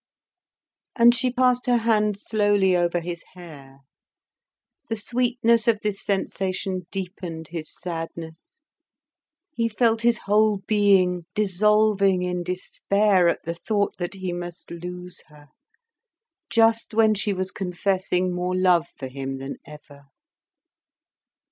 And she passed her hand slowly over his hair. The sweetness of this sensation deepened his sadness; he felt his whole being dissolving in despair at the thought that he must lose her, just when she was confessing more love for him than ever.